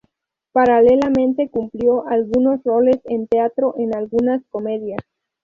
Paralelamente cumplió algunos roles en teatro en algunas comedias.